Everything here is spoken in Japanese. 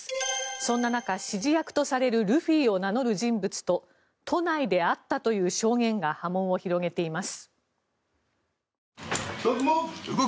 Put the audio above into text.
そんな中、指示役とされるルフィを名乗る人物と都内で会ったという証言が波紋を広げています。